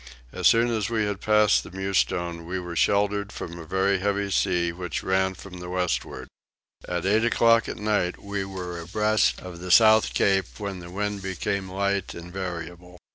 As soon as we had passed the Mewstone we were sheltered from a very heavy sea which ran from the westward. At eight o'clock at night we were abreast of the south cape when the wind became light and variable.